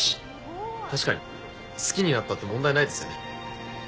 好きになったって問題ないですよね。